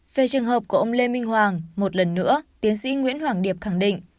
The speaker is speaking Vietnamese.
về trường hợp của ông lê minh hoàng một lần nữa tiến sĩ nguyễn hoàng điệp khẳng định